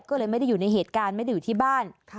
ก็เลยไม่ได้อยู่ในเหตุการณ์ไม่ได้อยู่ที่บ้าน